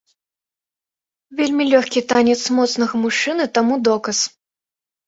Вельмі лёгкі танец моцнага мужчыны таму доказ.